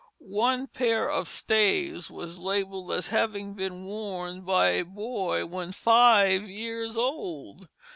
One pair of stays was labelled as having been worn by a boy when five years old.